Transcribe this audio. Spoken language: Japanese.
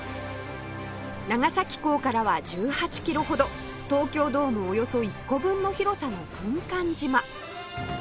長崎港からは１８キロほど東京ドームおよそ１個分の広さの軍艦島